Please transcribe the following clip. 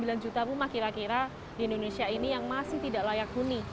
dengan ada dua puluh sembilan juta rumah kira kira di indonesia ini yang masih tidak layak huni